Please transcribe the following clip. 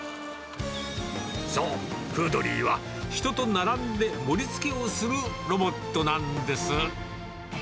そう、フードリーは、人と並んで盛りつけをするロボットなんです。